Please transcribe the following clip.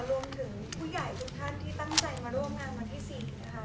รวมถึงผู้ใหญ่ทุกท่านที่ตั้งใจมาร่วมงานวันที่๔นะคะ